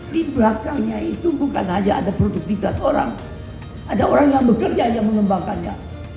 di belakangnya itu bukan saja ada produktivitas orang ada orang yang bekerja yang mengembangkannya